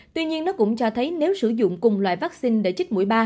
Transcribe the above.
tuy nhiên nó cũng cho thấy nếu sử dụng cùng loại vaccine để chích mũi ba